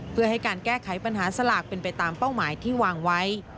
เพื่อให้การแก้ไขปัญหาสลากเป็นไปตามเป้าหมายที่วางไว้